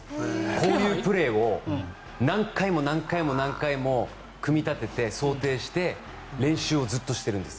こういうプレーを何回も何回も組み立てて、想定して練習をずっとしてるんです。